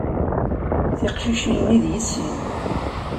Tiqcicin-nni, d yessi.